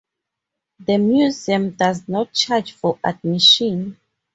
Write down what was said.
The museum does not charge for admission.